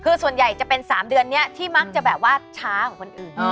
คือส่วนใหญ่จะเป็น๓เดือนนี้ที่มักจะแบบว่าช้ากว่าคนอื่น